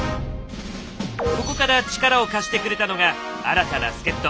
ここから力を貸してくれたのが新たな助っ人。